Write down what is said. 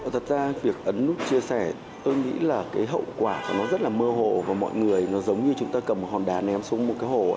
thật ra việc ấn nút chia sẻ tôi nghĩ là cái hậu quả của nó rất là mơ hồ và mọi người nó giống như chúng ta cầm một hòn đá ném xuống một cái hồ